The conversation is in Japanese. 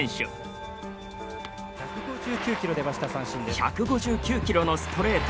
１５９キロのストレート。